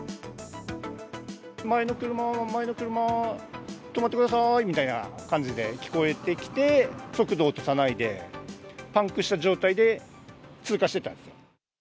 前の車、前の車、止まってくださいみたいな感じで聞こえてきて、速度を落とさないで、パンクした状態で通過していったんですよ。